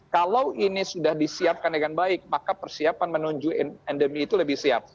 kalau ini sudah disiapkan dengan baik maka persiapan menuju endemi itu lebih siap